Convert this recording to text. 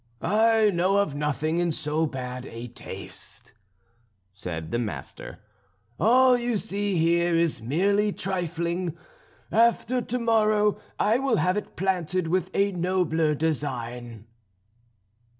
"I know of nothing in so bad a taste," said the master. "All you see here is merely trifling. After to morrow I will have it planted with a nobler design."